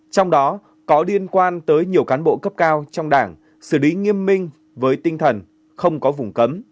trong đó có liên quan tới nhiều cán bộ cấp cao trong đảng xử lý nghiêm minh với tinh thần không có vùng cấm